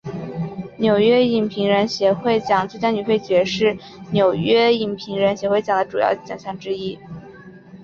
纽约影评人协会奖最佳女配角是纽约影评人协会奖的主要奖项之一。